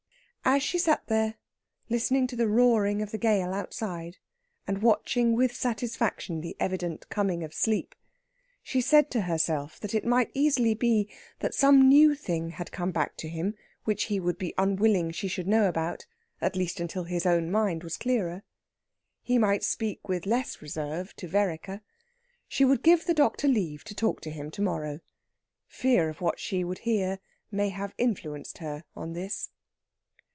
As she sat there listening to the roaring of the gale outside, and watching with satisfaction the evident coming of sleep, she said to herself that it might easily be that some new thing had come back to him which he would be unwilling she should know about, at least until his own mind was clearer. He might speak with less reserve to Vereker. She would give the doctor leave to talk to him to morrow. Fear of what she would hear may have influenced her in this.